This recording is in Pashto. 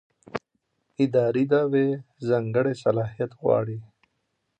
اداري دعوې ځانګړی صلاحیت غواړي.